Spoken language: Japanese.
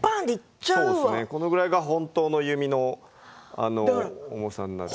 このぐらいが、本当の弓の重さになるんです。